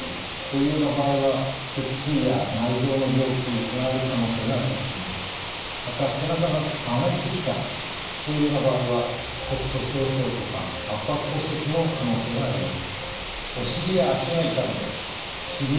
そのいくつかを説明しますと例えばまた背中が曲がってきたというような場合は骨粗しょう症とか圧迫骨折の可能性があります。